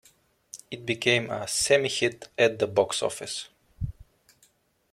It became a "semi-hit" at the box office.